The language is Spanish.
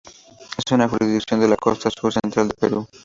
Es una jurisdicción de la costa sur central del Perú.